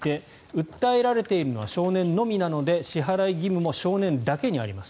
訴えられているのは少年のみなので支払い義務も少年だけにあります。